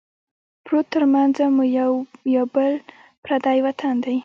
پروت ترمنځه مو یو یا بل پردی وطن دی